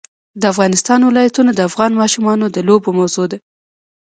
د افغانستان ولايتونه د افغان ماشومانو د لوبو موضوع ده.